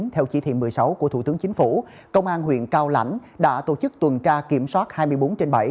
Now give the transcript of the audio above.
theo chỉ thị một mươi sáu của thủ tướng chính phủ công an huyện cao lãnh đã tổ chức tuần tra kiểm soát hai mươi bốn trên bảy